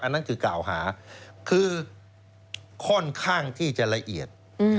นั่นคือกล่าวหาคือค่อนข้างที่จะละเอียด